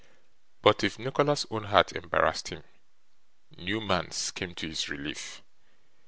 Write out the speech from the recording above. But, if Nicholas's own heart embarrassed him, Newman's came to his relief.